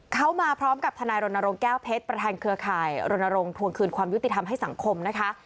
เขามาพร้อมกับทนายรณรงค์แก้วเพชรประธานเครือข่ายรณรงค์ทวงคืนความยุติธรรมให้สังคมนะคะ